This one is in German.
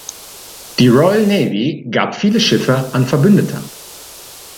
Die Royal Navy gab viele Schiffe an Verbündete ab.